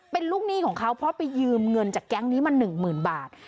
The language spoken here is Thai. เป็นลูกหนี้ของเขาเพราะไปยืมเงินจากแก๊งนี้มา๑๐๐๐บาท